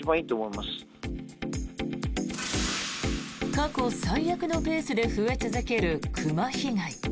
過去最悪のペースで増え続ける熊被害。